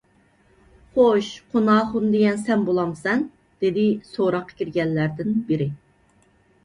خوش، قۇناخۇن دېگەن سەن بولامسەن؟ _ دېدى سوراققا كىرگەنلەردىن بىرى.